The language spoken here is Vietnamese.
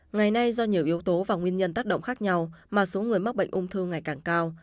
ngày nay do nhiều yếu tố và nguyên nhân tác động khác nhau mà số người mắc bệnh ung thư ngày càng cao